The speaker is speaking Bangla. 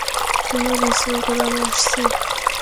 তোমারা বিশ্রাম কর আমি আসছি।